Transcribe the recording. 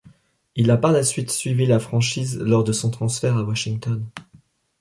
Il a par la suite suivi la franchise lors de son transfert à Washington.